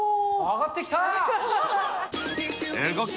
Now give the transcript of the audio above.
上がってきたあ！